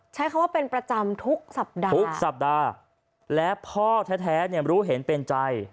ใช้คำว่าเป็นประจำทุกสัปดาห์ทุกสัปดาห์และพ่อแท้เนี่ยรู้เห็นเป็นใจ